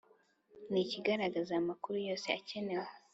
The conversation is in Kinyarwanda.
ntikigaragaza amakuru yose akenewe